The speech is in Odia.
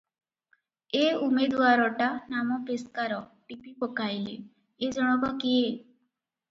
ଏ ଉମେଦୁଆରଟା ନାମ ପେସ୍କାର ଟିପି ପକାଇଲେ, ଏ ଜଣକ କିଏ?